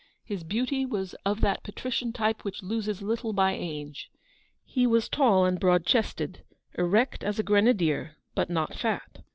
His beauty was of that patrician type which loses little by age. He was tall and broad chested, erect as a Grenadier, but not fat.